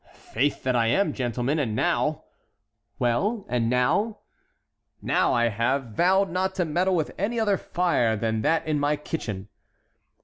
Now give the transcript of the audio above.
"Faith, that I am, gentlemen; and now"— "Well, and now"— "Now I have vowed not to meddle with any other fire than that in my kitchen."